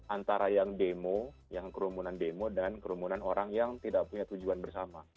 antara yang demo yang kerumunan demo dan kerumunan orang yang tidak punya tujuan bersama